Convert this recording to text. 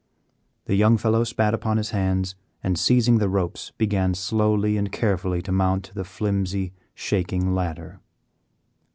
The young fellow spat upon his hands and, seizing the ropes, began slowly and carefully to mount the flimsy, shaking ladder.